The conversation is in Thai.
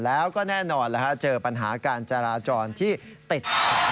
แล้วก็แน่นอนเจอปัญหาการจราจรที่ติด